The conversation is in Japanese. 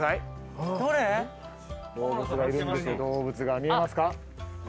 動物が見えますか？